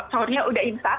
sahurnya udah insat